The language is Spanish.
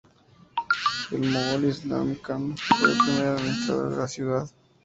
El mogol Islam Khan fue el primer administrador de la ciudad.